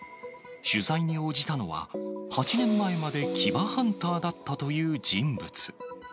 取材に応じたのは、８年前まで牙ハンターだったという人物。